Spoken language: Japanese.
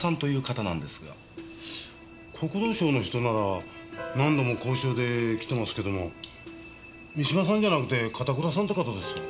国土省の人なら何度も交渉で来てますけども三島さんじゃなくて片倉さんって方ですよ。